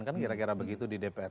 kan kira kira begitu di dpr